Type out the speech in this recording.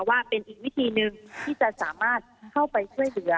ว่าเป็นอีกวิธีหนึ่งที่จะสามารถเข้าไปช่วยเหลือ